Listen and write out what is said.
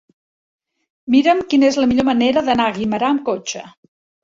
Mira'm quina és la millor manera d'anar a Guimerà amb cotxe.